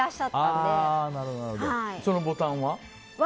そのボタンは？